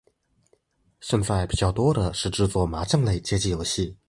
现在比较多的是制作麻将类街机游戏。